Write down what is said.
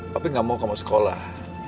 papi enggak mau kamu sekolah